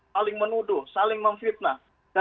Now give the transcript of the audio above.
saling menuduh saling memfitnah